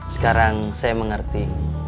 sekarang saya mengerti